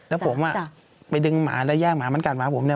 แล้วผมไปดึงหมาแล้วแย่งหมามันกัดหมาผมเนี่ย